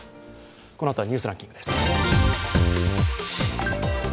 このあとはニュースランキングです。